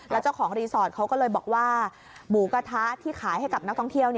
แล้วเจ้าของรีสอร์ทเขาก็เลยบอกว่าหมูกระทะที่ขายให้กับนักท่องเที่ยว